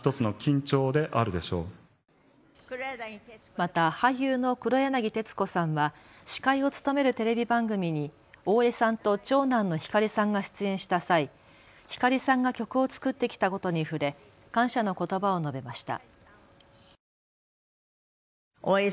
また俳優の黒柳徹子さんは司会を務めるテレビ番組に大江さんと長男の光さんが出演した際、光さんが曲を作ってきたことに触れ感謝のことばを述べました。